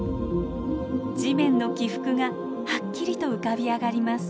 地面の起伏がはっきりと浮かび上がります。